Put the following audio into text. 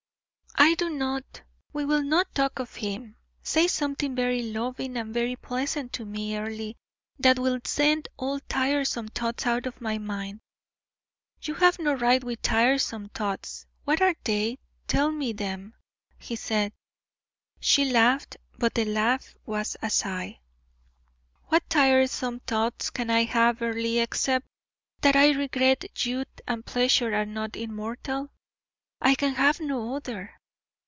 "I do not. We will not talk of him. Say something very loving and very pleasant to me, Earle, that will send all tiresome thoughts out of my mind." "You have no right with tiresome thoughts. What are they? Tell me them," he said. She laughed, but the laugh was a sigh. "What tiresome thoughts can I have, Earle, except that I regret youth and pleasure are not immortal? I can have no other.